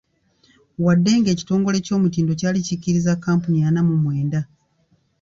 Wadde ng'ekitongole ky’omutindo kyali kyakkiriza kkampuni ana mu mwenda.